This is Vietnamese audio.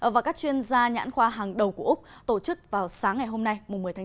và các chuyên gia nhãn khoa hàng đầu của úc tổ chức vào sáng ngày hôm nay một mươi tháng chín